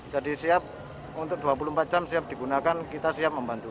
jadi siap untuk dua puluh empat jam siap digunakan kita siap membantu